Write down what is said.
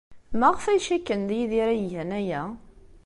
Maɣef ay cikken d Yidir ay igan aya?